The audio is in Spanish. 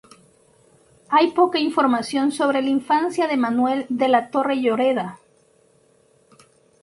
Hay poca información sobre la infancia de Manuel de la Torre Lloreda.